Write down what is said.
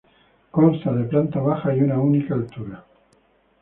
Consta de planta baja y una única altura.